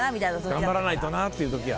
頑張らないとな！っていう時や。